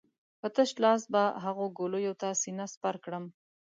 په تش لاس به هغو ګولیو ته سينه سپر کړم.